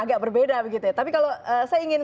agak berbeda begitu ya tapi kalau saya ingin